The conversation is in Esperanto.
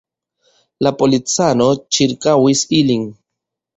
La policanoj ĉirkaŭis ilin.